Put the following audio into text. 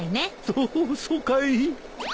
そっそうかい？